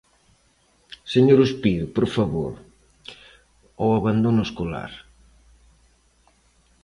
Señor Ospido, por favor, ao abandono escolar.